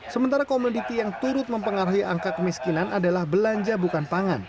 sementara komoditi yang turut mempengaruhi angka kemiskinan adalah belanja bukan pangan